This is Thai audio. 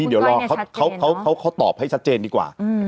นี่เดี๋ยวรอเขาเขาเขาเขาตอบให้ชัดเจนดีกว่าอืม